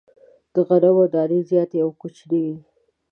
د غنمو دانې زیاتي او کوچنۍ وې.